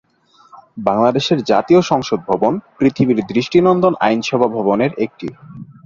বাংলাদেশের জাতীয় সংসদ ভবন পৃথিবীর দৃষ্টিনন্দন আইনসভা ভবনের একটি।